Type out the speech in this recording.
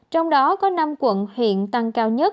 trong đó có năm quận huyện tăng cao nhất